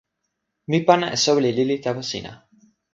mi pana e soweli lili tawa sina.